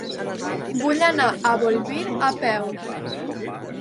Vull anar a Bolvir a peu.